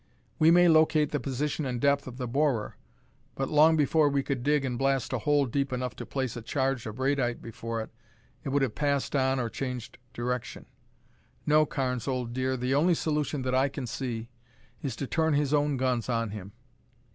We may locate the position and depth of the borer, but long before we could dig and blast a hole deep enough to place a charge of radite before it, it would have passed on or changed direction. No, Carnes, old dear, the only solution that I can see is to turn his own guns on him.